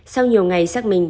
sau nhiều ngày xác minh